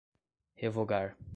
revogar